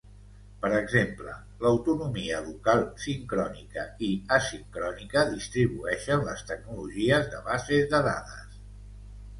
Per exemple, l'autonomia local, sincrònica i asincrònica distribueixen les tecnologies de bases de dades.